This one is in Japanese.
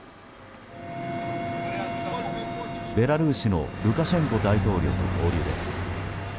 ベラルーシのルカシェンコ大統領と合流です。